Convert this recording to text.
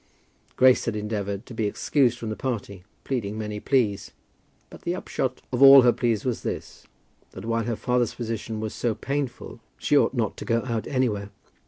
Grace had endeavoured to be excused from the party, pleading many pleas. But the upshot of all her pleas was this, that while her father's position was so painful she ought not to go out anywhere.